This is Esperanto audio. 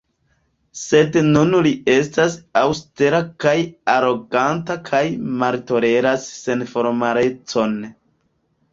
Sed nun li estas aŭstera kaj aroganta kaj maltoleras senformalecon.